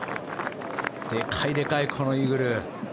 でかいでかい、このイーグル。